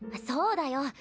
そうだよ。